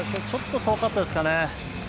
ちょっと遠かったですかね。